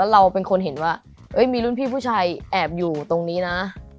เราเป็นคนเห็นว่ามีรุ่นพี่ผู้ชายแอบอยู่ตรงนี้นะ